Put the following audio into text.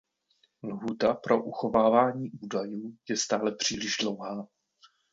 Lhůta pro uchovávání údajů je stále příliš dlouhá.